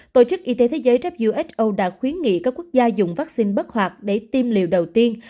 tổ chức y tế thế giới who đã khuyến nghị các quốc gia dùng vaccine bất hoạt để tiêm liều đầu tiên